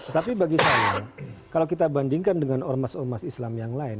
tapi bagi saya kalau kita bandingkan dengan ormas ormas islam yang lain